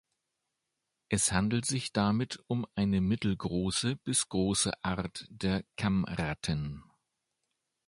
Es handelt sich damit um eine mittelgroße bis große Art der Kammratten.